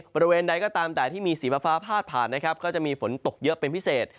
บริเวณใดก็ตามแต่ที่มีสีฟ้าพาดผ่านนะครับก็จะมีฝนตกเยอะเป็นพิเศษ